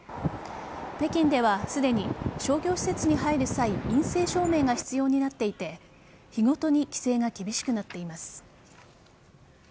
北京ではすでに商業施設に入る際陰性証明が必要になっていて日ごとに規制が厳しくなっています。